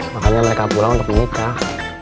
makanya mereka pulang untuk menikah